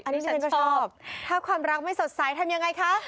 อันนี้ฉันก็ชอบถ้าความรักไม่สดใสทำยังไงคะ